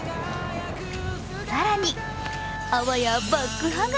更に、あわやバックハグ。